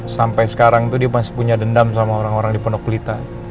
sampai sekarang tuh dia masih punya dendam sama orang orang di pendok kulitnya